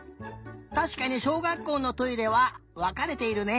たしかにしょうがっこうのトイレはわかれているね。